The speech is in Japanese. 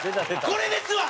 これですわ！